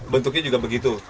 bentuknya juga begitu